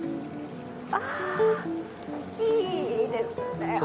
あいいですね。